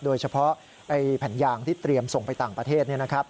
โดยเฉพาะแผ่นยางที่เตรียมส่งไปต่างประเทศ